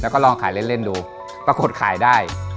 แล้วก็ลองขายเล่นดูปรากฏขายได้